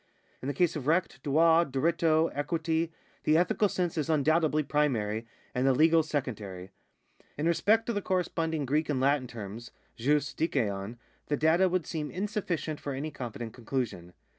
In the case of recJit, droit, diritto, equity, the ethical sense is undoubtedly primary, and the legal secondary. In respect of the corresponding Greek and Latin terms {jus, ciKaior) the data would seem insufficient for any confident conclusion.